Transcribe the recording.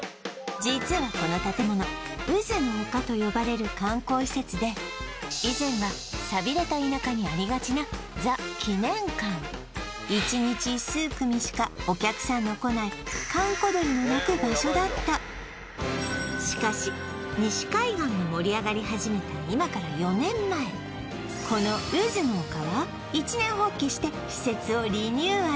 実はこの建物うずの丘と呼ばれる観光施設で以前は寂れた田舎にありがちな「ザ・記念館」しかお客さんの来ない場所だったしかし西海岸が盛り上がり始めた今から４年前このうずの丘は一念発起して施設をリニューアル！